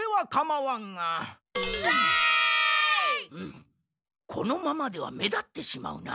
うんこのままでは目立ってしまうな。